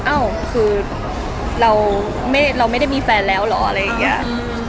เอ้าคือเราไม่ได้มีแฟนแล้วเหรออะไรอย่างนี้